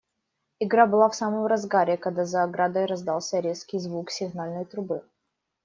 Игра была в самом разгаре, когда за оградой раздался резкий звук сигнальной трубы.